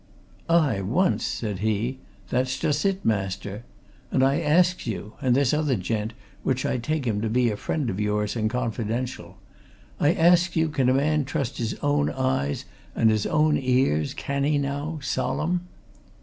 "Aye, once?" said he. "That's just it, master. And I asks you and this other gent, which I takes him to be a friend o' yours, and confidential I asks you, can a man trust his own eyes and his own ears? Can he now, solemn?"